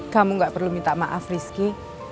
kamu gak perlu minta maaf rizky